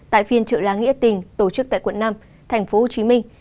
tại phiên trợ lá nghĩa tình tổ chức tại quận năm thành phố hồ chí minh